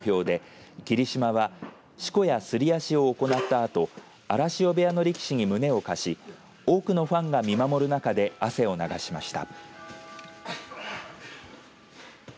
下諏訪南小学校の校庭に作られた土俵で霧島はしこやすり足を行ったあと荒汐部屋の力士に胸を貸したり多くのファンが見守る中で汗を流しました。